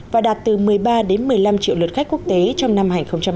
và đạt từ một mươi ba một mươi năm triệu lượt khách quốc tế trong năm hai nghìn một mươi bảy